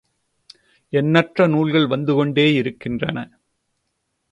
எண்ணற்ற நூல்கள் வந்து கொண்டேயிருக்கின்றன.